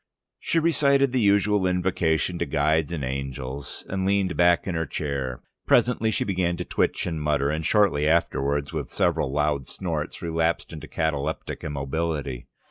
She recited the usual invocation to guides and angels, and leaned back in her chair. Presently she began to twitch and mutter, and shortly afterwards with several loud snorts, relapsed into cataleptic immobility.